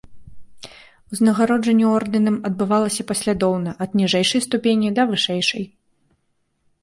Узнагароджанне ордэнам адбывалася паслядоўна ад ніжэйшай ступені да вышэйшай.